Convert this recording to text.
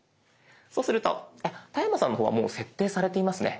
そうすると田山さんの方はもう設定されていますね。